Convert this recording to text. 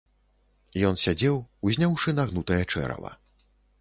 Ён сядзеў, узняўшы нагнутае чэрава.